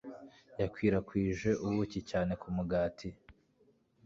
Yakwirakwije ubuki cyane ku mugati.